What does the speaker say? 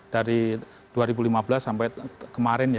dari dua ribu lima belas sampai kemarin ya